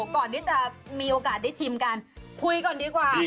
ก่อนที่มีโอกาสแล้วพูดก่อนดีกว่า